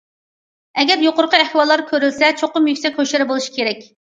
ئەگەر يۇقىرىقى ئەھۋاللار كۆرۈلسە، چوقۇم يۈكسەك ھوشيار بولۇش كېرەك.